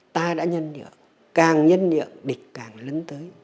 ta đã nhân nhượng càng nhân nhượng địch càng lấn tới